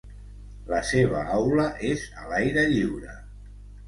La seva aula és a l’aire lliure.